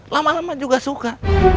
lama lama juga suka